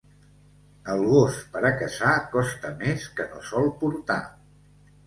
El gos per a caçar costa més que no sol portar.